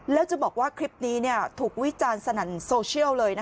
แล้วจะบอกว่าคลิปนี้ถูกวิจารณ์สนั่นโซเชียลเลย